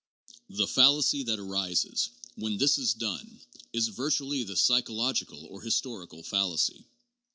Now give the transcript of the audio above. The fallacy that arises when this is done is virtually the psychological or historical fallacy.